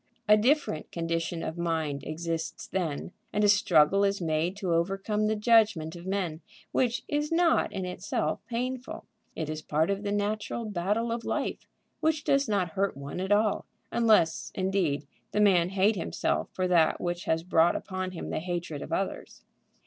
A different condition of mind exists then, and a struggle is made to overcome the judgment of men which is not in itself painful. It is part of the natural battle of life, which does not hurt one at all, unless, indeed, the man hate himself for that which has brought upon him the hatred of others.